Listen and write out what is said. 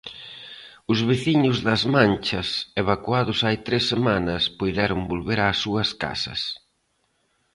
Os veciños das Manchas, evacuados hai tres semanas, puideron volver ás súas casas.